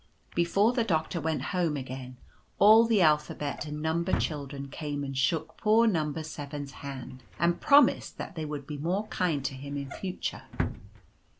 Before the Doctor went home again all the Alphabet and Number Children came and shook poor Number 7*s hand, and promised that they would be more kind to him in future.